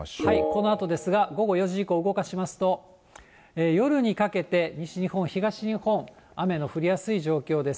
このあとですが、午後４時以降動かしますと、夜にかけて、西日本、東日本、雨の降りやすい状況です。